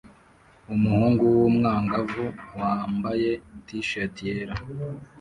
Umuhungu w'umwangavu wambaye t-shati yera